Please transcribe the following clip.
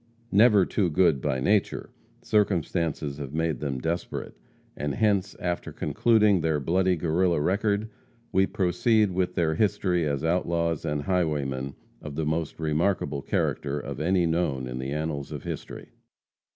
Never too good by nature, circumstances have made them desperate, and hence, after concluding their bloody Guerrilla record, we proceed with their history as outlaws and highwaymen of the most remarkable character of any known in the annals of history.